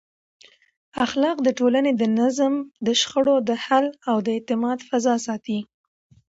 اخلاق د ټولنې د نظم، د شخړو د حل او د اعتماد فضا ساتي.